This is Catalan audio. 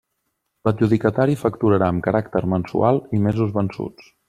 L'adjudicatari facturarà amb caràcter mensual i mesos vençuts.